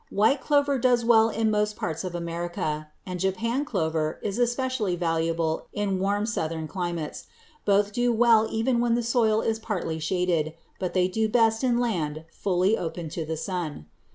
White clover does well in most parts of America, and Japan clover is especially valuable in warm Southern climates. Both will do well even when the soil is partly shaded, but they do best in land fully open to the sun.